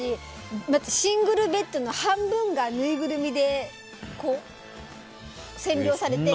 だって、シングルベッドの半分がぬいぐるみで占領されて。